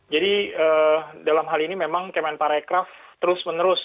jadi dalam hal ini memang kementerian pariwisata terus menerus